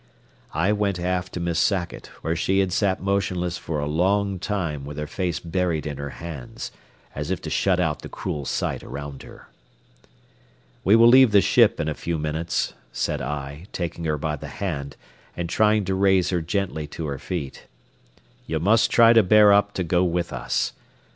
I went aft to Miss Sackett, where she had sat motionless for a long time with her face buried in her hands, as if to shut out the cruel sight around her. "We will leave the ship in a few minutes," said I, taking her by the hand, and trying to raise her gently to her feet. "You must try to bear up to go with us.